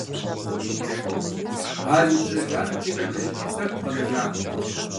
Ар и бзэ жаным текӀуэдэжыным тӀэкӀут къэнэжар.